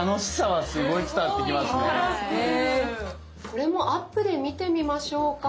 これもアップで見てみましょうか。